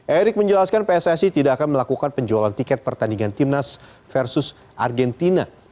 erick menjelaskan pssi tidak akan melakukan penjualan tiket pertandingan timnas versus argentina